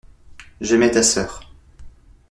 J’aimais ta sœur.